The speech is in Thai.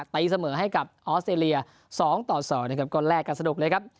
ตีเสมอให้กับออสเตรเลีย๒ต่อ๒นะครับก็แลกกันสนุกเลยครับ